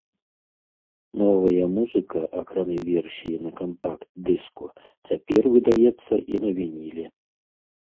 Новая музыка, акрамя версіі на кампакт-дыску, цяпер выдаецца і на вініле.